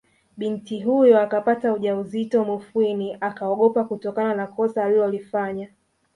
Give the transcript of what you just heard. Binti huyo akapata ujauzito Mufwimi akaogopa kutokana na kosa alilolifanya